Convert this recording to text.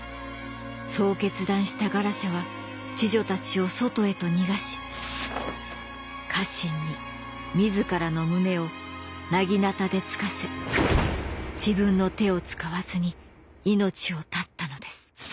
そう決断したガラシャは侍女たちを外へと逃がし家臣に自らの胸を薙刀で突かせ自分の手を使わずに命を絶ったのです。